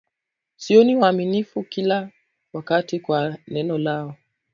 sio waaminifu kila wakati kwa neno lao